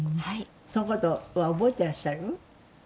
その事は覚えていらっしゃる？